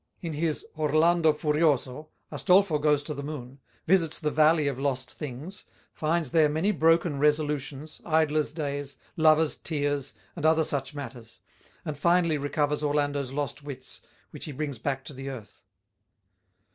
In his Orlando Furioso, Astolfo goes to the moon, visits the "Valley of Lost Things," finds there many broken resolutions, idlers' days, lovers' tears, and other such matters; and finally recovers Orlando's lost wits, which he brings back to the earth.